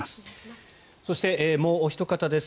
そしてもうおひと方です。